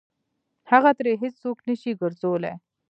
هغه ترې هېڅ څوک نه شي ګرځولی.